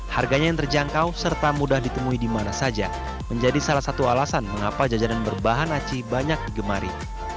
harganya yang terjangkau serta mudah ditemui di mana saja menjadi salah satu alasan mengapa jajanan berbahan aci banyak digemari